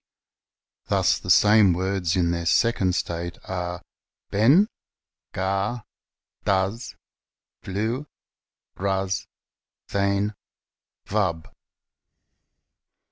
Thus, the same words in their second state are Ben, Gar, Dds, View, 'ras, Dhen, Vab.